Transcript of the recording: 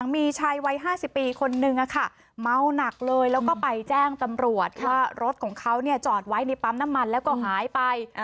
มีชายวัย๕๐ปีคนนึงเมาหนักเลยแล้วก็ไปแจ้งตำรวจว่ารถของเขาจอดไว้ในปั๊มน้ำมันแล้วก็หายไป